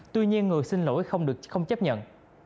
tuy nhiên người xin lỗi không chấp nhận